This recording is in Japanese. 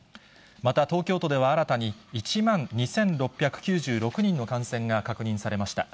また、東京都では新たに１万２６９６人の感染が確認されました。